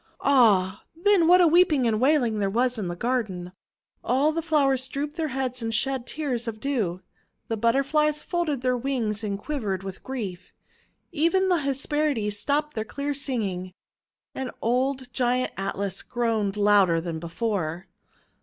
Ah! then what weeping and wailing there was in the garden! All the flowers drooped their heads and shed tears of dew. The Butterflies folded their wings and quivered with grief. Even the Hesperides stopped their clear singing, and old Giant Atlas groaned louder than before.